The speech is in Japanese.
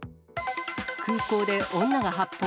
空港で女が発砲。